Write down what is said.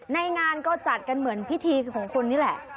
ในงานก็จัดกันเหมือนพิธีของคนนี่แหละ